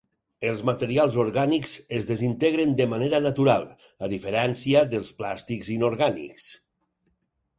Els materials orgànics es desintegren de manera natural, a diferència dels plàstics inorgànics.